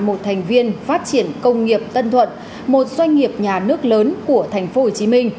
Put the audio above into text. một thành viên phát triển công nghiệp tân thuận một doanh nghiệp nhà nước lớn của tp hcm